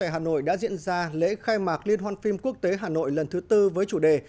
hà nội đã diễn ra lễ khai mạc liên hoan phim quốc tế hà nội lần thứ tư với chủ đề